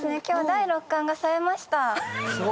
今日第六感がさえました！